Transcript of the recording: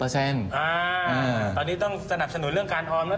ตอนนี้ต้องสนับสนุนเรื่องการออมแล้ว